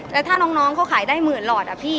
แล้วถ้าน้องเขาขายได้หมื่นหลอดอะพี่